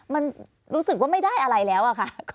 มันรู้สึกว่าไม่ได้อะไรแล้วอะค่ะ